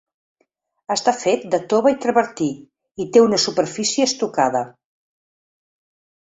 Està fet de tova i travertí, i té una superfície estucada.